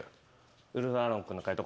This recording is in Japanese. ウルフアロン君の解答